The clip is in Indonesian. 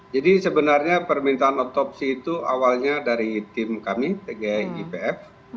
jadi sebenarnya permintaan otopsi itu awalnya dari tim kami tgipf